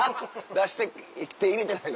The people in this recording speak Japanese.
出して手入れてないの？